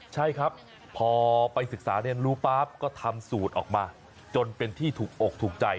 ใช่ครับพอไปศึกษาเรียนรู้ปั๊บก็ทำสูตรออกมาจนเป็นที่ถูกอกถูกใจ